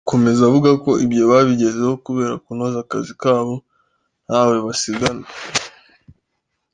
Akomeza avuga ko ibyo babigezeho kubera kunoza akazi kabo ntawe basigana.